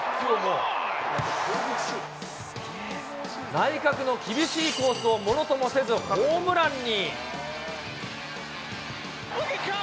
内角の厳しいコースをものともせず、ホームランに。